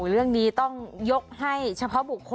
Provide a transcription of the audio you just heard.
เรื่องนี้ต้องยกให้เฉพาะบุคคล